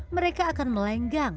mereka akan melenggang